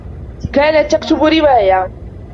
كانت تكتب رواية.